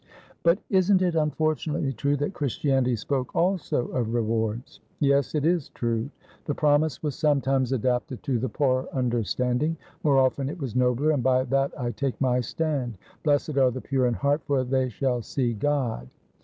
"But isn't it unfortunately true that Christianity spoke also of rewards?" "Yes, it is true. The promise was sometimes adapted to the poorer understanding. More often, it was nobler, and by that I take my stand. 'Blessed are the pure in heart, for they shall see God.